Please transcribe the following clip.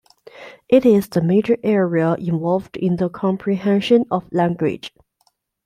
It is the major area involved in the comprehension of language.